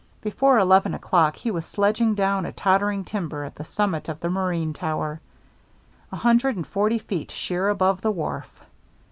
Before eleven o'clock he was sledging down a tottering timber at the summit of the marine tower, a hundred and forty feet sheer above the wharf.